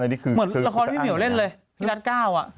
เหมือนละครพี่เหมียวเล่นเลยพี่รัฐก้าว